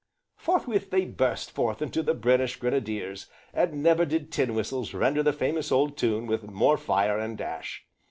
Forthwith they burst forth into "The British Grenadiers?" and never did tin whistles render the famous old tune with more fire, and dash.